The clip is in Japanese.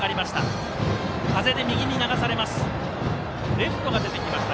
レフトが出てきました。